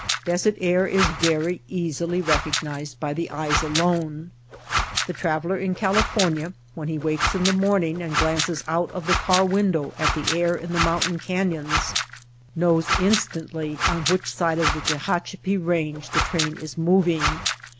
Desert air is very easily recog nized by the eyes alone. The traveller in Cal ifornia when he wakes in the morning and glances out of the car window at the air in the mountain canyons, knows instantly on which side of the Tehachepi Eange the train is mov ing.